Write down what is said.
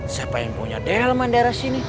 siapa yang punya daleman di sini